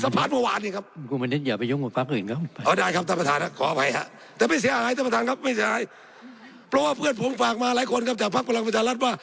ภักดิ์สภาษณ์ประหวัดนี่ครับ